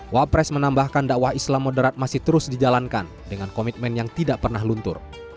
wapres menambahkan dakwah islam moderat masih terus dijalankan dengan komitmen yang tidak pernah luntur